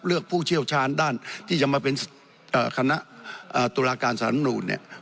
เลือกผู้เชี่ยวชาญด้านที่จะมาเป็นเอ่อคณะเอ่อตุลาการสารรำนูนเนี่ย